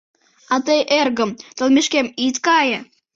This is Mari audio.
— А тый, эргым, толмешкем ит кае.